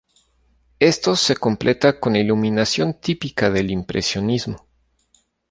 Esto se completa con la iluminación típica del impresionismo.